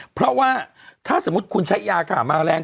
เพราะว่าถ้าสมมุติคุณใช้ยาขามาแรง